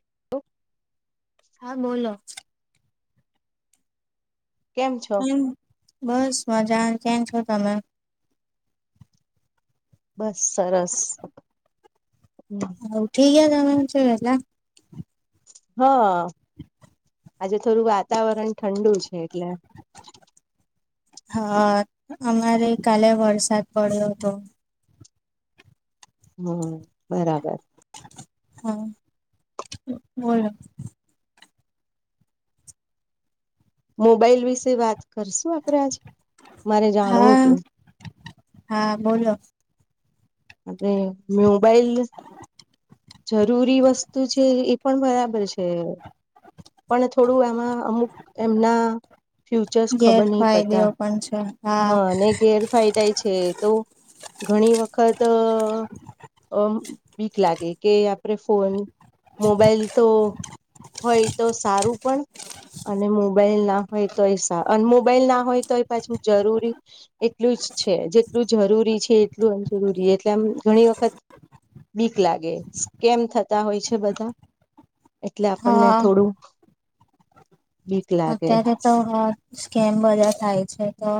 [inaudible] હા બોલો કેમ છો બસ મજા કેમ છો તમે? બસ સરસ ઉઠી ગયા તમે આજે વેલા હ. આજે થોડું વાતાવરણ ઠંડુ છે, એટલે હા અમારે કાલે વરસાદ પડ્યો હતો. હમ્મ બરાબર. હા બોલો. મોબાઈલ વિશે વાત કરશું આપણે આજે મારે જાણવું હા તું. હા બોલો. મોબાઈલ. જરૂરી વસ્તુ છે, એ પણ બરાબર છે. પણ થોડું આમાં અમુક એમના ફ્યુચર્સ ખબર નહીં ગેરફાયદેઓ પડતા પણ છે હા ને ગેરફાયદાય છે, તો ઘણી વખત અ બિક લાગે કે આપણે ફોન મોબાઈલ તો હોય તો સારું પણ અને મોબાઈલ ના હોય તો એ સા અને મોબાઈલ ના હોય તો એ પાછું જરૂરી એટલું જ છે જેટલું જરૂરી છે, એટલું અનજરૂરી એટલે આમ ઘણી વખત બીક લાગે સ્કેમ થતા હોય છે, બધા એટલે આપણને હા થોડું બીક લાગે અત્યારે તો સ્કેમ બધા થાય છે, તો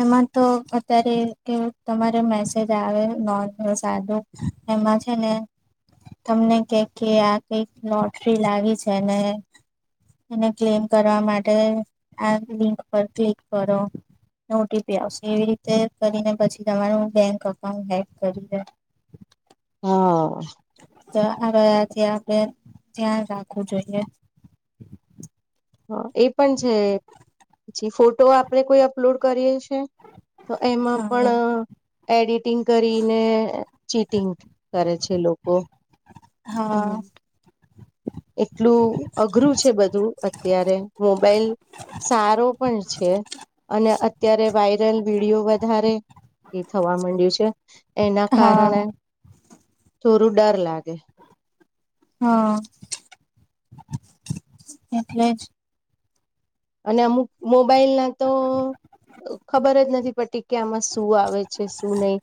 એમાં તો અત્યારે ત તમારે મેસેજ આવે નોંન સાદું એમાં છે ને તમને કે કે આ કઈક લોટરી લાગી છે, ને એને ક્લેમ કરવા માટે આ લિંક પર ક્લિક કરો ને ઓટીપી આવશે એવી રીતે કરીને પછી તમારું બેંક અએકાઉન્ટ હેક કરી લે [inaudible] તો આવાયાથી આપણે ધ્યાન રાખવું જોઈએ હ એ પણ છે, પછી ફોટો આપણે કોઈ અપલોડ કરીએ તો એમાં હા પણ એડિટિંગ કરીને ચીટિંગ કરે છે, લોકો હા. એટલું અઘરું છે, બધું અત્યારે મોબાઈલ સારો પણ છે, અને અત્યારે વાયરલ વિડીયો વધારે એ થવા માંડ્યું છે. એના હા કારણે થોડું ડર લાગે હમ એટલે જ અને અમુક મોબાઈલ ના તો ખબર જ નથી પતી કે આમાં શું આવે છે શું નહી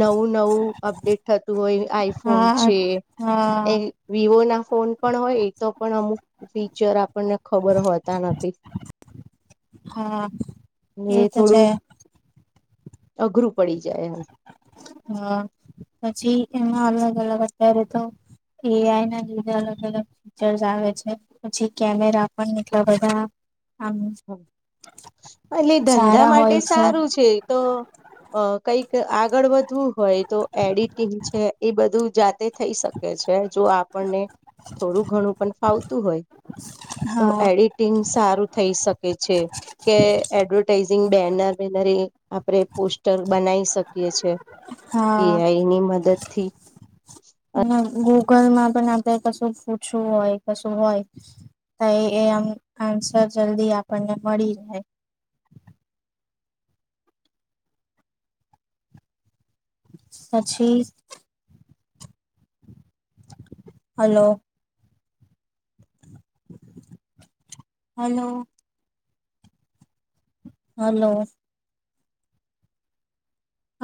નવું નવું અપડેટ તું હોય આઈફોન હા છે હા એ વિવો ના ફોન પણ હોય એ તો પણ અમુક ફીચર આપણને ખબર હોતા નથી. હા એ તો છે. અગ્રું. હા પછી એમાં અલગ અલગ અત્યારે તો એઆઈ ના લીધા અલગ અલગ ફીચર્સ આવે છે પછી કેમેરા પણ એટલા બધા આમ એટલે ધંધા સારા માટે હોય સારું છે તો કઈક કે આગળ વધવું હોય તો એડિટિંગ છે એ બધું જાતે થઈ શકે છે જો આપણને થોડું ઘણું પણ ફાવતું હોય. તો હા એડિટિંગ સારું થઈ શકે. કે એડવર્ટાઈઝિંગ બેનર વનર આપણે પોસ્ટર બનાવી શકીએ છે હા એઆઈ ની મદદથી ગૂગલ માં પણ આપણે કશું પૂછવું હોય કશું હોય. એમ આન્સર જલ્દી આપણને મળી જાય [inaudible] સાચી. હાલો. હલો. હલો.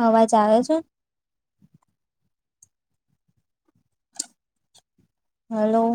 અવાજ આવે છે. હલો